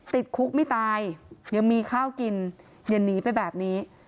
ติดคุกไม่ตายยังมีข้าวกินอย่าหนีไปแบบนี้